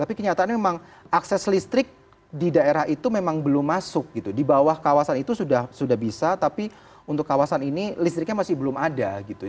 tapi kenyataannya memang akses listrik di daerah itu memang belum masuk gitu di bawah kawasan itu sudah bisa tapi untuk kawasan ini listriknya masih belum ada gitu